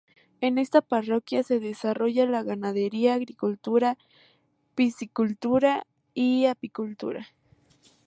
En esta parroquia se desarrolla la ganadería, agricultura, psi-cultura y apicultura.